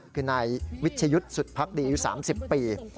คือนายวิชยุทธ์สุดพักดีอายุ๓๐ปี